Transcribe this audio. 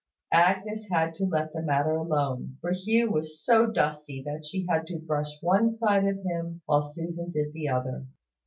Agnes had to let the matter alone; for Hugh was so dusty that she had to brush one side of him while Susan did the other.